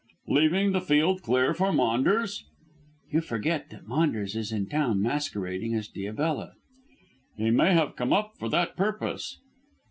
"Leaving the field clear for Maunders?" "You forget that Maunders is in town masquerading as Diabella." "He may have come up for that purpose."